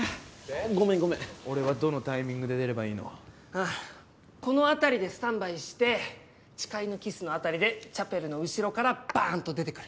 ごめんごめんで俺はどのタイミングあこの辺りでスタンバイして誓いのキスの辺りでチャペルの後ろからバーンと出てくる！